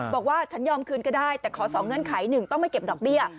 บอกว่าฉันยอมคืนก็ได้แต่ขอ๒เงื่อนไข๑ต้องไม่เก็บดอกเบี้ย